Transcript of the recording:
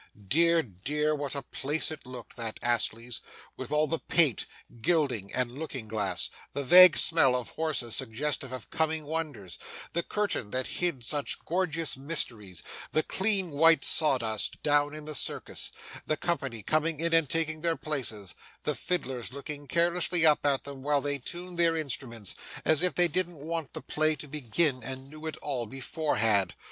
Dear, dear, what a place it looked, that Astley's; with all the paint, gilding, and looking glass; the vague smell of horses suggestive of coming wonders; the curtain that hid such gorgeous mysteries; the clean white sawdust down in the circus; the company coming in and taking their places; the fiddlers looking carelessly up at them while they tuned their instruments, as if they didn't want the play to begin, and knew it all beforehand!